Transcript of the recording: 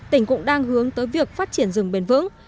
tỉnh cũng đang hướng tới việc phát triển rừng bền vững